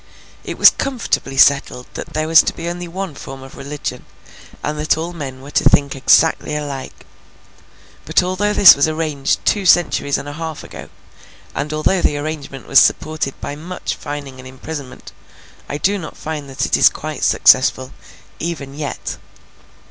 It was comfortably settled that there was to be only one form of religion, and that all men were to think exactly alike. But, although this was arranged two centuries and a half ago, and although the arrangement was supported by much fining and imprisonment, I do not find that it is quite successful, even yet.